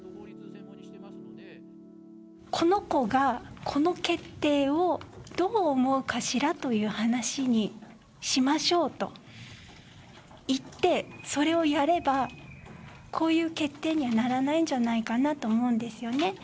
この子がこの決定をどう思うかしらという話にしましょうと言ってそれをやればこういう決定にはならないんじゃないかなと思うんですよね。